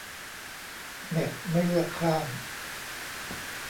เน็ตไม่เลือกข้าง